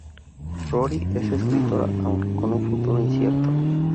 Rory es escritora aunque con un futuro incierto.